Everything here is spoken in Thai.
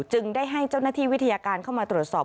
จึงได้ให้เจ้าหน้าที่วิทยาการเข้ามาตรวจสอบ